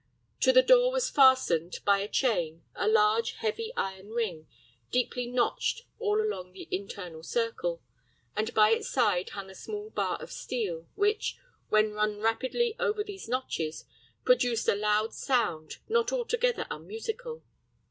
To the door was fastened, by a chain, a large, heavy iron ring, deeply notched all along the internal circle, and by its side hung a small bar of steel, which, when run rapidly over these notches, produced a loud sound, not altogether unmusical.